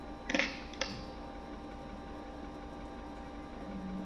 পাশাপাশি ঈদের সময় পাওয়া সালামির টাকা দিয়েও কয়েন সংগ্রহ করতে থাকি।